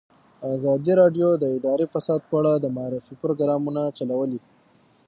ازادي راډیو د اداري فساد په اړه د معارفې پروګرامونه چلولي.